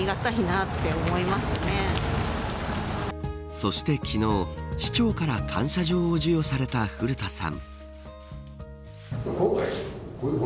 そして、昨日市長から感謝状を授与された古田さん。